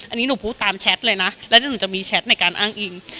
อันนี้หนูพูดตามแชทเลยนะแล้วหนูจะมีแชทในการอ้างอิง